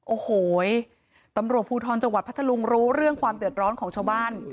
โอ้โหตำรวจภูทรจังหวัดพัทธลุงรู้เรื่องความเดือดร้อนของชาวบ้าน